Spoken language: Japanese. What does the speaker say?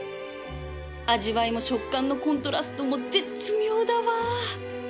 味わいも食感のコントラストも絶妙だわ